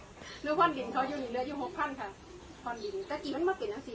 หลืมพ่อนหิ่นเขาอยู่หลัง๖๐๐๐ค่ะพ่อนหิ่นแต่อีกมันเมื่อกี้มัน๑๖๐๐